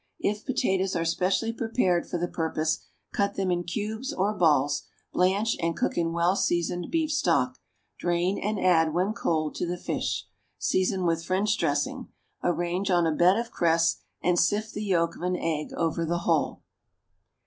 If potatoes are specially prepared for the purpose, cut them in cubes or balls, blanch, and cook in well seasoned beef stock; drain, and add, when cold, to the fish. Season with French dressing. Arrange on a bed of cress and sift the yolk of an egg over the whole.